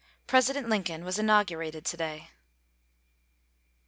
President Lincoln was inaugurated to day.